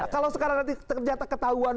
kalau sekarang nanti ternyata ketahuan